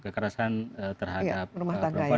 kekerasan terhadap perempuan di dalam rumah tangga gitu